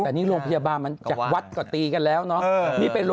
แต่นี่โรงพยาบาลมันจากวัดก็ตีกันแล้วเนาะ